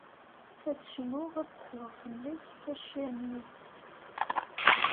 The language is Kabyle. Ad cnuɣ, ad ssefruɣ fell-ak, a ccan-iw!